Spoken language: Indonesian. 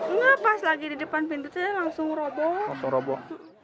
nggak pas lagi di depan pintu langsung roboh